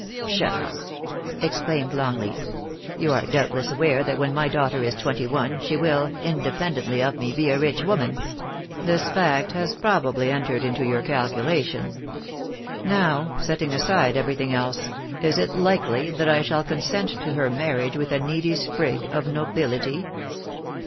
Pshaw !' exclaimed Longleat * You are doubtless aware that when my daughter is twenty one she will, independently of me, be a rich woman. This fact has probably entered into your calculation. Now, setting aside everything else, is it likely that I shall consent to her marriage with a needy sprig of nobility